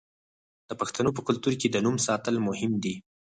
د پښتنو په کلتور کې د نوم ساتل مهم دي.